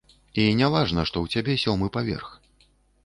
І не важна, што ў цябе сёмы паверх.